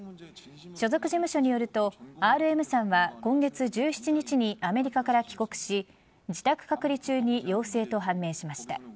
所属事務所によるとＲＭさんは今月１７日にアメリカから帰国し自宅隔離中に陽性と判明しました。